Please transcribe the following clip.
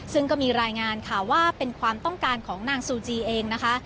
ซึ่งก็มีรายงานค่ะว่าเป็นความต้องการของนางซูจีเองนะคะ